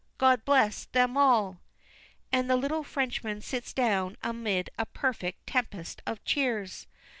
God bless dem all!'" And the little Frenchman sits down amid a perfect tempest of cheers.